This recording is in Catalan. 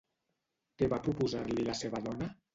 Què va proposar-li la seva dona?